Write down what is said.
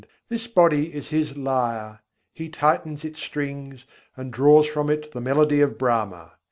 this body is His lyre; He tightens its strings, and draws from it the melody of Brahma.